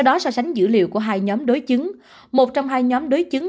lúc đã oversánh dữ liệu của hai nhóm đối chứng một trong hai nhóm đối chứng